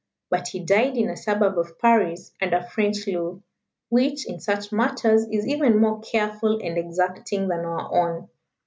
But he died in a suburb of Paris, under French law, which, in such matters, is even more careful and exacting than our own.